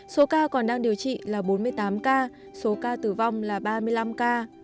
số ca còn đang điều trị là bốn mươi tám ca số ca tử vong là ba mươi năm ca